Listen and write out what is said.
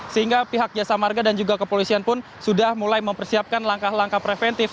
sehingga pihak jasa marga dan juga kepolisian pun sudah mulai mempersiapkan langkah langkah preventif